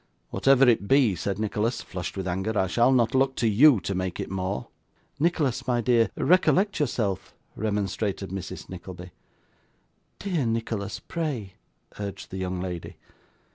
'Whatever it be,' said Nicholas, flushed with anger, 'I shall not look to you to make it more.' 'Nicholas, my dear, recollect yourself,' remonstrated Mrs. Nickleby. 'Dear Nicholas, pray,' urged the young lady.